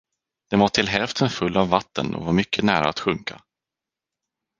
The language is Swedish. Den var till hälften full av vatten och var mycket nära att sjunka.